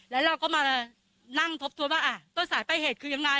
แล้วเราก็มานั่งทบทวนว่าต้นสายปลายเหตุคือยังไง